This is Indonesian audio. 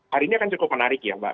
hari ini akan cukup menarik ya mbak